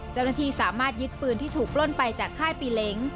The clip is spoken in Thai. เจ้าหน้าที่สามารถยึดปืนที่ถูกปล้นไปจากค่ายปีเล้ง